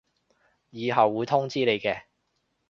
以後會通知你嘅